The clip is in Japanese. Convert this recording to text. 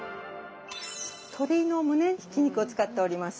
鶏のむねひき肉を使っております。